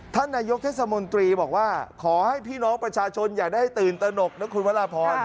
ท่านนายกเทศมนตรีบอกว่าขอให้พี่น้องประชาชนอย่าได้ตื่นตนกนะคุณพระราพร